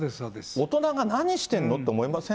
大人が何してんの？と思いません？